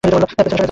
পেছনে সরে যা।